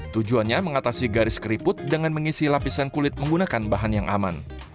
tujuannya mengatasi garis keriput dengan mengisi lapisan kulit menggunakan bahan yang aman